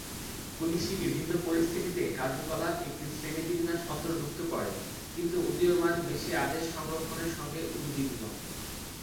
পুলিশি বিভিন্ন পরিস্থিতিতে কার্যকলাপ একটি শ্রেণীবিন্যাস অন্তর্ভুক্ত করে, কিন্তু উদীয়মান বেশি আদেশ সংরক্ষণের সঙ্গে উদ্বিগ্ন।